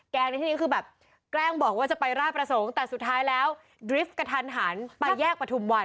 ในที่นี้คือแบบแกล้งบอกว่าจะไปราชประสงค์แต่สุดท้ายแล้วดริฟต์กระทันหันไปแยกประทุมวัน